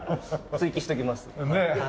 追記しておきます。